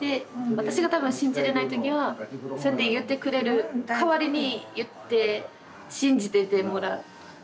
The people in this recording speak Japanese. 私が多分信じれない時はそうやって言ってくれる代わりに言って信じててもらう。